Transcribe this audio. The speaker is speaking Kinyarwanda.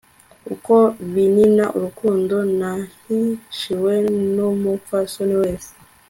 uko binina urukundo nahishiwe n' umupfasoni wese